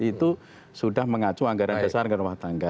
itu sudah mengacu anggaran besar anggaran rumah tangga